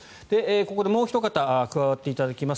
ここでもうおひと方加わっていただきます。